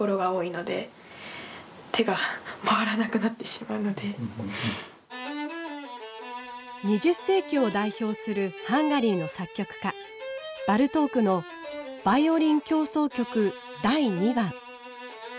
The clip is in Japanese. またこの曲は２０世紀を代表するハンガリーの作曲家バルトークの「バイオリン協奏曲第２番」。